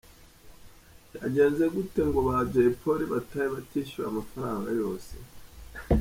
Byagenze gute ngo ba Jay Polly batahe batishyuwe amafaranga yose?.